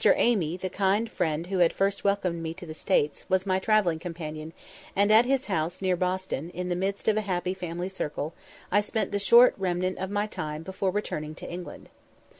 Amy, the kind friend who had first welcomed me to the States, was my travelling companion, and at his house near Boston, in the midst of a happy family circle, I spent the short remnant of my time before returning to England.